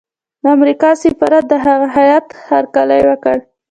د امریکا سفارت د هغه هیات هرکلی وکړ.